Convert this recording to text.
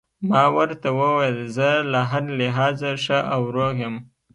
ما ورته وویل: زه له هر لحاظه ښه او روغ یم.